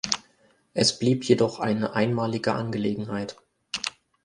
Es blieb jedoch eine einmalige Angelegenheit.